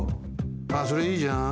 ああそれいいじゃん。